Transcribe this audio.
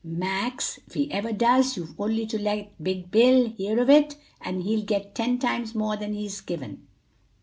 Max, if he ever does, you've only to let 'Big Bill' hear of it and he'll get ten times more than he's given."